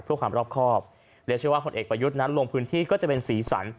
เพื่อความรอบครอบและเชื่อว่าผลเอกประยุทธ์นั้นลงพื้นที่ก็จะเป็นสีสัน